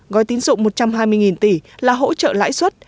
gói tín dụng một trăm hai mươi tỷ là hỗ trợ lãi suất